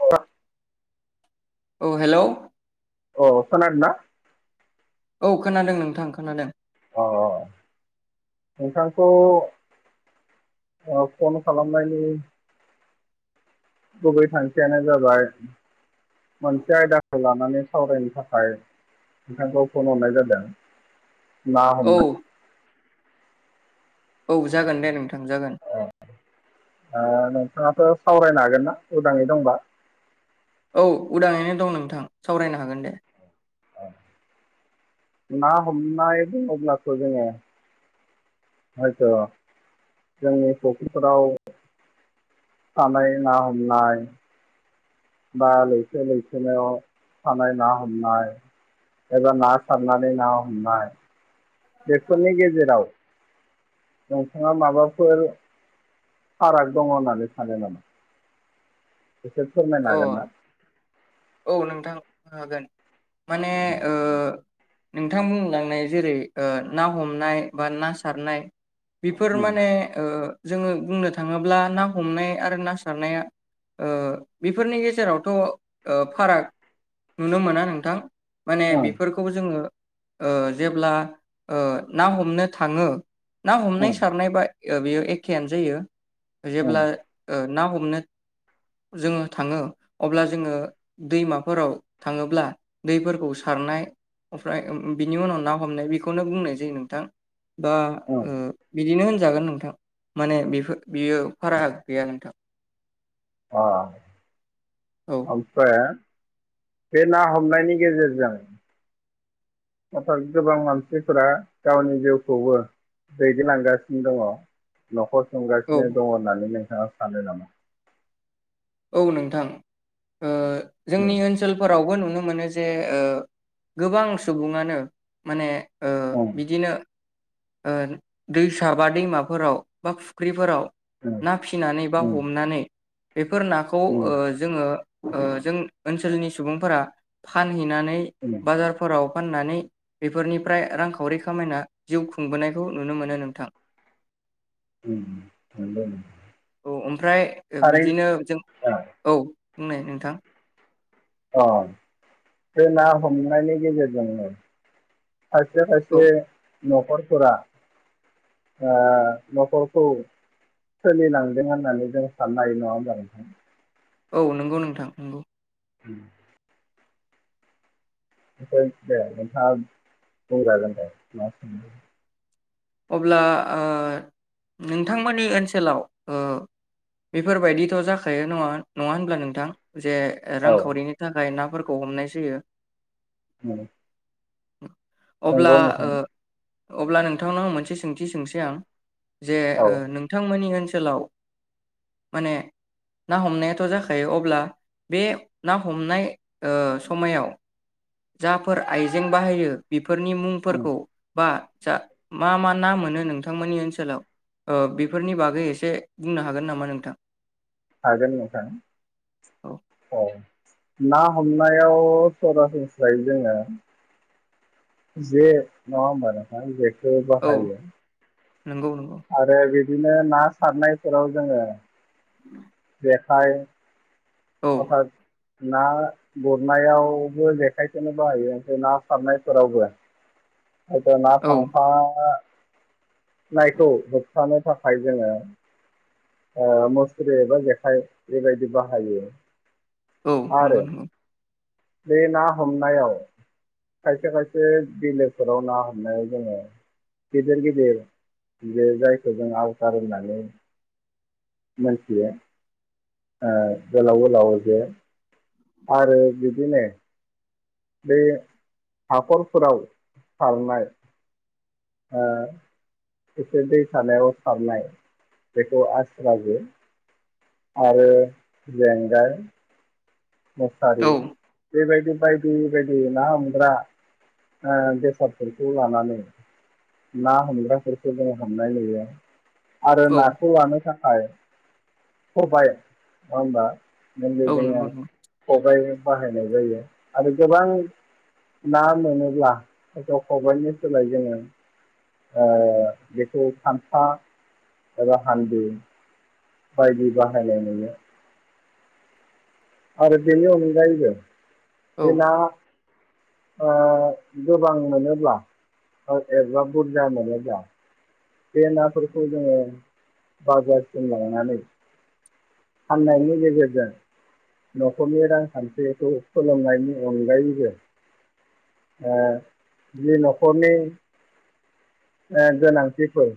औ औ हेलौ अ खोनादोना औ खोनादों नोंथां खोनादों अ नोंथांखौ ओ फन खालामनायनि गुबै थांखियानो जाबाय मोनसे आयदाखौ लानानै सावरायनो थाखाय नोंथांखौ फन खालामनो हरनाय जादों ना औ हमनाय औ जागोन दे नोंथां जागोन ओ नोंथाङाथ' सावरायनो हागोन ना उदाङै दंबा औ उदाङैनो दं नोंथां सावरायनो हागोन दे ना हमनाय बुङोब्लाथ' जोङो आथ' जोंनि फक्रिफोराव थानाय ना हमना बालै जायनो [unintelligible] थानाय ना हमनाय एबा ना सारनानै ना हमनाय बेफोरनि गेजेराव नोंथाङा माबाफोर फाराग दङ होननानै सानो नामा एसे फोरमायनो अ हागोन ना औ नोंथां हागोन माने ओ नोंथां बुंलांनाय जेरै ओ ना हमनाय बा ना सारनाय बेफोर ओं माने ओ जोङो बुंनो थाङोब्ला ना हमनाय आरो ना सारनाया ओ बेफोरनि गेजेरावथ ओ फाराग नुनो मोना नोंथां माने ओं बेफोरखौ जोङो ओ जेब्ला ना हमनो थाङो ना हमनाय ओं सारनाय बा बेयो एखेयानो जायो ओं जेब्ला ना हमनो जोङो थाङो अब्ला जोङो दैमाफोराव थाङोब्ला दैफोरखौ सारनाय ओमफ्राय बिनि उनाव ना हमनाय बेखौ बेखौनो बुंनाय जायो नोंथां बा ओं बिदिनो होनजागोन नोंथां माने बेफोर बियो फाराग गैया नोंथां अ औ ओमफ्राय बे ना हमनायनि गेजेरजों हथाद गोबां मानसिफोरा गावनि जिउखौबो दैदेनलांगासिनो दङ नखर औ संगासिनो दङ होननानै नो नोंथाङा सानो नामा औ नोंथां ओ जोंनि ओम ओनसोलफोरावबो नुनो मोनो मोनो जे ओ गोबां सुबुङानो माने ओ ओम बिदिनो दैसा बा दैमाफोराव बा फुख्रिफोराव ना फिनानै बा ओम हमनानै बेफोर नाखौ ओम जोङो ओ जों ओनसोलनि सुबुंफोरा फान फानहैनानै ओम ओम बाजारफोराव फाननानै बेफोरनिफ्राय रांखावरि खामायना जिउ खुंबोनायखौ नुनो मोनो नोंथां औ ओमफ्राय ओ आरो बिदिनो औ बुंनाय नोंथां अ बे ना हमनायनि गेजेरजोंनो खायसे औ खायसे न'खरफोरा न'खरखौ सोलिलांदों होननानै जों साननो हायो नङा होनबा नोंथां औ नंगौ नोंथां नंगौ उम ओमफ्राय दे नोंथाङा बुंजागोन दे अब्ला नोंथांमोननि ओनसोलाव बेफोरबायदिथ' जाखायो नङा नङा होनब्ला नोंथां जे औ रांखावरिनि थाखाय ना फोरखौ हमनाय जायो उम औ अब्ला अब्ला नों नोंथांनाव मोनसे सोंथि सोंसै आं जे औ नोंथांमोननि ओनसोल ओनसोलाव माने ना हमनायाथ' जाखायो अब्ला बे ना हमनाय समायाव जाफोर आइजें बाहायो बेफोर फोरनि मुंफोरखौ बा जा मा मा ना मोनो नोंथांमोननि ओनसोलाव बेफोरनि बागै एसे बुंनो हागोन नामा नोंथां हागोन नोंथां औ ना हमनायाव सरासनस्रायै जोङो जे नङा होमबा नोंथां औ बाहायो नंगौ नंगौ आरो बिदिनो ना सारनायफोराव जोङो जेखाय औ अर्थाथ ना गुरनायावबो जेखायखौनो बाहायो ओमफ्राय ना सारनायफोरावबो [unintelligible] औ नायखौ होबथानो थाखाय जोङो मुस्रि एबा जेखाइ बेबायदि बाहायो औ आरो नंगौ नंगौ बे ना हमनायाव खायसे खायसे बिलोफोराव ना हमनायाव जोङो गिदिर गिदिर बे जायखौ जों आवथार होननानै मोनथियो गोलाव गोलाव जे आरो बिदिनो बे हाखरफोराव सारनाय ओ एसे दै सानायाव सारनाय बेखौ आस्रा जे आरो जेंगाय औ मुसारि बेबायदि बायदि बेबायदि ना हमग्रा ओ बेसादफोरखौ लानानै ना हमग्राफोरखौ जों हमनाय नुयो। आरो औ नाखौ लानो थाखा खाय खबाइ नंङा होनबा मैनलि औ जोङो नंगौ नंगौ खबाइ बाहायनाय जायो आरो गोबां ना मोनोब्ला हयथ' खबाइनि सोलाय जोङो ओ [unintelligible] थांफा एबा हालदै बायदि बाहायनाय नुयो आरो बेनि अनगायैबो औ बे ना ओ गोबां मोनोब्ला एबा बुरजा मोनोब्ला बे नाफोरखौ जोङो बाजारसिम लांनानै फाननायनि गेजेरजों न'खरनि रांखान्थिखौ सोलोंनायनि अनगायैबो ओ जि न'खरनि ओ गोनांथिफोर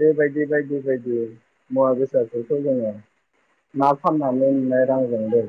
बेबायदि बायदि बायदि मुवा बेसादफोरखौ जोङो ना फाननानै नुनाय रांजोंनो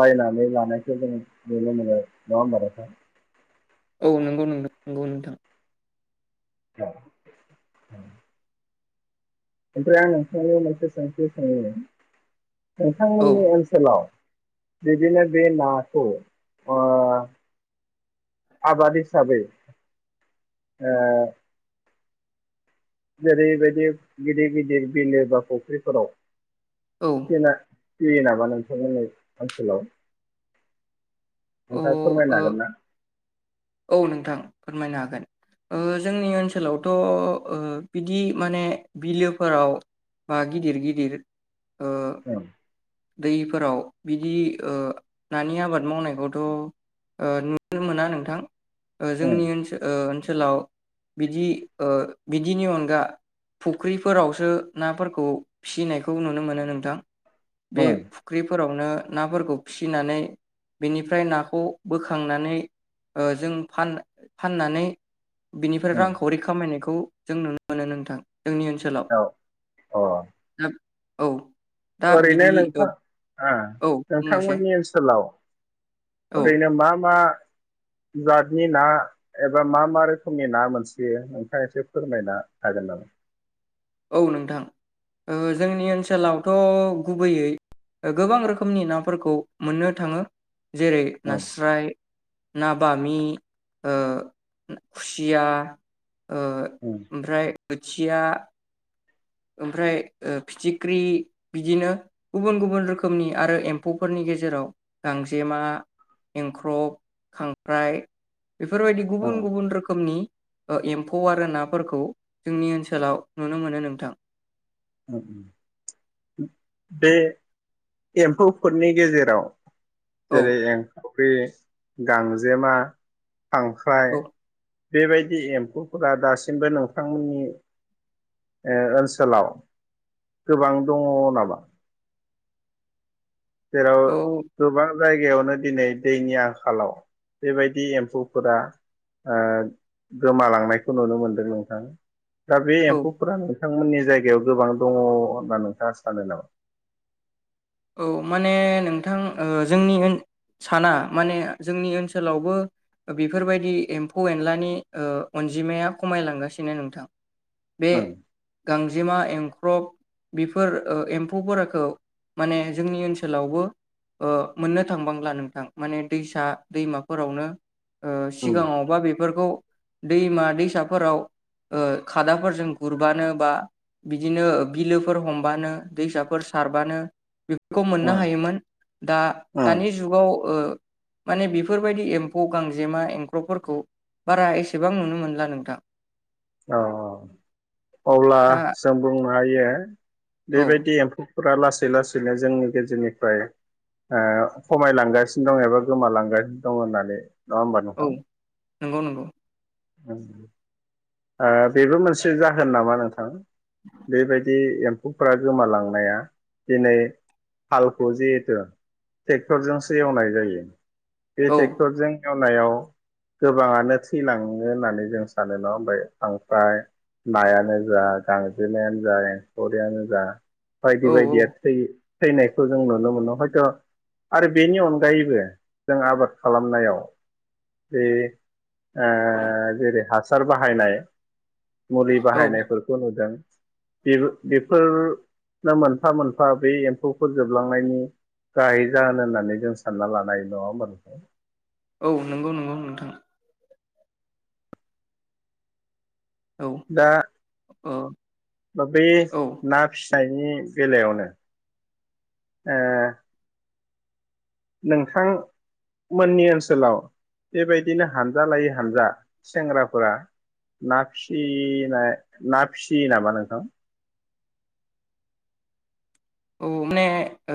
बायनानै लानायखौ जों नुनो मोनो नङा होनबा नोंथां औ नंगौ नों नंगौ नोंथां औ उम ओमफ्राय आं नोंथां नाव मोनसे सोंथि सोंनि औ नोंथांमोननि ओनसोलाव बिदिनो बे नाखौ ओ आबाद हिसाबै ओ जेरैबायदि गिदिर गिदिर बिलो बा फुख्रिफोराव औ बे ना फैयो नामा नोंथांमोनै ओनसोलाव? औ ओ नोंथाङा फोरमायनो हागोन ना? औ नोंथां फोरमायनो हागोन ओ जोंनि ओनसोलावथ' ओ बिदि माने बिलोफोराव बा गिदिर गिदिर ओ ओं दैफोराव बिदि ओ नानि आबाद मावनायखौथ' ओ नुनो मोना नोंथां। ओ ओं जोंनि ओनसोल ओ ओनसोलाव बिदि ओ बिदिनि अनगा फुख्रिफोरावसो नाफोरखौ फिसिनायखौ नुनो मोनो नोंथां। बे उम फुख्रि फोरावनो नाफोरखौ फिसिनानै बेनिफ्राय नाखौ बोखांनानै ओ जों फाननानै बिनिफ्राय उम रांखावरि खामायनायखौ जों नुनो मोनो नोंथां जोंनि ओनसोलाव औ अ ना? औ दा बि बे नोंथां नोंथांमोननि ओनसोलाव औ ओरैनो मा मा जातनि ना एबा मा मा रोखोमनि ना मोनसोयो नोंथाङा एसे फोरमायनो हागोन नामा? औ नोंथां ओ जोंनि ओनसोलावथ' गुबैयै गोबां रोखोमनि नाफोरखौ मोननो थाङो जेरै उम नास्राय ना बामि ओ खुसिया ओ उम ओमफ्राय खोथिया ओमफ्राय फिथिख्रि बिदिनो गुबुन गुबुन रोखोमनि आरो एम्फौफोरनि गेजेराव गांजेमा एंख्रब खांख्राइ बेफोरबायदि उम गुबुन गुबुन रोखोमनि एम्फौ आरो नाफोरखौ जोंनि ओनसोलाव नुनो मोनो नोंथां। [unintelligible] बे एम्फौफोरनि गेजेराव औ जेरै ए फुख्रि गांजेमा खांख्राय औ बेबायदि एम्फौफोरा दासिमबो नोंथांमोननि ओ ओनसोलाव गोबां दङ नामा? [inaudible] जेराव औ गोबां जायगायावनो दिनै दैनि आंखालाव बेबायदि एम्फौफोरा ओ गोमालांनायखौ नुनो मोनदों नोंथां। दा बे औ एमफौफोरानो बिथांमोननि जायगायाव गोबां दङ होनना नोंथाङा सानो नामा? औ माने नोंथां ओ जोंनि साना माने जोंनि ओनसोलावबो बेफोरबायदि एम्फौ एनलानि ओ अनजिमाया खमायलांगासिनो नोंथां बे उम गांजेमा एंख्रब बेफोर ओ एम्फौफोरखौ माने जोंनि ओनसोलावबो ओ मोननो थांबांला नोंथां माने दैसा दैमाफोरावनो उम सिगाङावबा बे फोरखौ दैमा-दैसाफोराव खादाजों गुरबानो बा बिदिनो बिलोफोर हमबानो दैसाफोर सार बेफोरखौ मोननो उम हायोमोन दा उम दानि जुगाव। ओ माने बेफोरबायदि एम्फौ गांजेमा एंख्रबफोरखौ बारा एसेबां नुनो मोनला नोंथां। औ औ। अब्ला दा जों बुंनो हायो। बे औ बायदि एम्फौ फोर लासै लासैनो जोंनि गेजेरनिफ्राय ओ खमायलांगासिनो दं एबा गोमालांगासिनो दं होननानै नङा होमबा औ नोंथां? नंगौ नंगौ। बेबो मोनसे जाहोन नामा नोंथां। बे बायदि हुफ्रा गोमालांनाया दिनै हालखौ जिहेथु ट्रेक्टरजोंसो एवनाय जायो। बे औ ट्रेक्टरजों एव नायाव गोबाङानो थैलाङो सङो होननानै जों सानो ना ओमफ्राय नायानो जा गांजेमायानो जा एंखरियानो जा बायदि औ बायदिया थैयो। थैनायखौ जों नुनो मोनो हयथ' आरो बेनि अनगायैबो जों आबाद खालामनायाव बे ओ ओ जेरै हासार बाहायनाय मुलि औ बाहायनायफोरखौ नुदों बेफोर बेफोरनो मोनफा मोनफा बे एम्फौखौ जोबलांनायनि गाहै जाहोन होननानै जों सानना लानाय नङा होमबा नोंथां? औ नंगौ नंगौ नोंथां। औ दा ओ बा बे औ ना फिसि फिनायनि बेलायावनो ओ नोंथांमोननि ओनसोलाव बेबायदिनो हानजा लायै हानजा सेंग्राफोरा ना फिसिनाय ना फिसियो नामा नोंथां। औ माने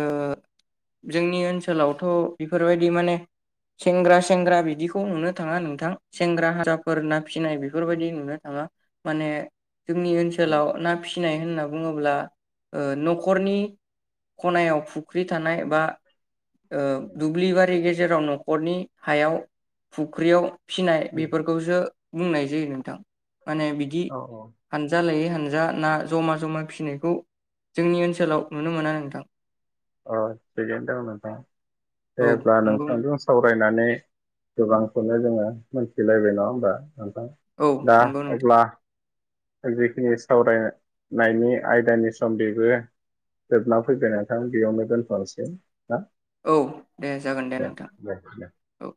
ओ जोंनि ओनसोलावथ' बेफोरबायदि माने सेंग्रा सेंग्रा बिदिखौ नुनो थाङा नोंथां सेंग्रा हानजाफोर ना फिसिनाय बेफोरबायदि नुनो थाङा। माने जोंनि ओनसोलाव ना फिसि फिनाय होनना बुङोब्ला ओ न'खरनि खनायाव फुख्रि थानाय बा ओ‌ दुब्लि बारि गेजे जेराव न'खरनि हायाव फुख्रियाव फिनाय बेफोरखौसो बुंनाय जायो नोंथां। माने बिदि औ औ हानजा लायै हानजा ना जमा जमा फिसिनायखौ जोंनि ओनसोलाव नुनो मोनो नोंथां अ थिगैनो दं नोंथां औ जेब्ला नंगौ नों नोंथांजों सावराय माने गोबांखौनो जोङो मिथिलायबाय नङा होमबा थां औ दा नंगौ नोंथां अब्ला जिखिनि सावरायनायनि आयदानि सम बेबो जोबना फैबाय नोंथां बेयावनो दोनफानोसै औ दे जागोन दे नोंथां दे दे औ